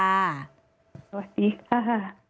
สวัสดีค่ะ